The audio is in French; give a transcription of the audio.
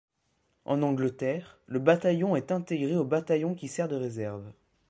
En Angleterre, le Bataillon est intégré au Bataillon qui sert de réserve.